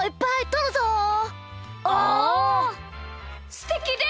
すてきですね！